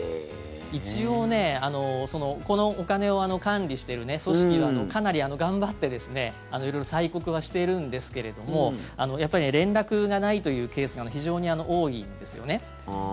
一応このお金を管理している組織もかなり頑張って色々催告はしているんですけどもやっぱり連絡がないというケースが非常に多いんですよね。